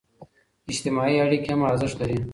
اجتماعي اړيکي هم ارزښت لري.